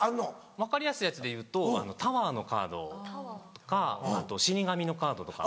分かりやすいやつでいうとタワーのカードとかあと死に神のカードとかは。